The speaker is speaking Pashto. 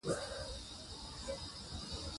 د دې ټولنې غړي په سلګونو هیوادونو کې ژوند کوي.